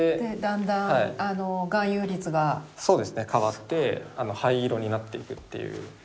変わって灰色になっていくっていう。